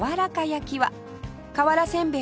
味は瓦せんべい。